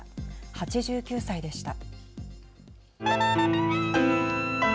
８９歳でした。